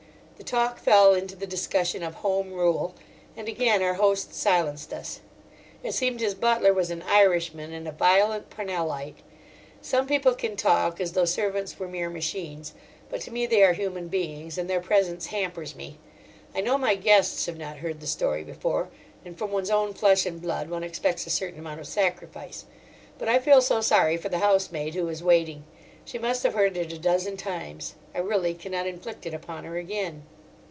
The talk fell into the discussion of Home Rule, and again our host silenced us. It seemed his butler was an Irishman and a violent Parnellite. Some people can talk as though servants were mere machines, but to me they are human beings, and their presence hampers me. I know my guests have not heard the story before, and from one's own flesh and blood one expects a certain amount of sacrifice. But I feel so sorry for the housemaid who is waiting; she must have heard it a dozen times. I really cannot inflict it upon her again.